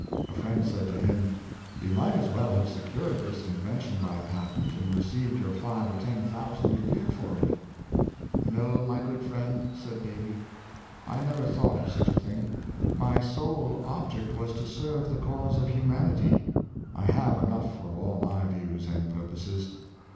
A friend said to him, " You might as well have secured this in Real Men of Mark, 397 vention by a patent, and received your five or ten thou sand a year for it." " No, my good friend," said Davy, " I never thought of such a thing; my sole object was to serve the cause of humanity. I have enough for all my views and purposes.